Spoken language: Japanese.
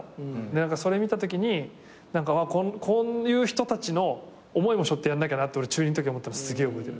何かそれ見たときにこういう人たちの思いもしょってやんなきゃなって俺中２のとき思ったのすげえ覚えてる。